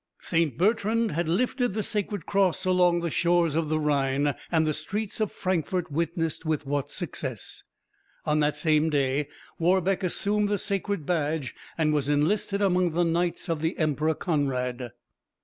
St. Bertrand had lifted the sacred cross along the shores of the Rhine, and the streets of Frankfort witnessed with what success! On that same day Warbeck assumed the sacred badge, and was enlisted among the knights of the Emperor Conrad.